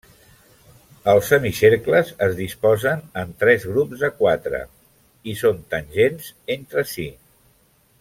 Els semicercles es disposen en tres grups de quatre, i són tangents entre si.